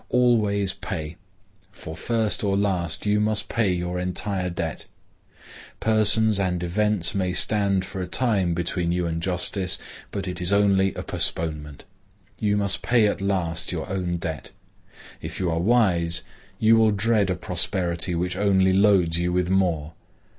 Always pay; for first or last you must pay your entire debt. Persons and events may stand for a time between you and justice, but it is only a postponement. You must pay at last your own debt. If you are wise you will dread a prosperity which only loads you with more.